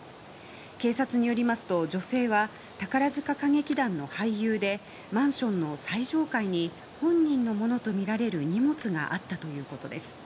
警察によりますと女性は宝塚歌劇団の俳優でマンションの最上階に本人のものとみられる荷物があったということです。